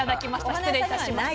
失礼いたしました。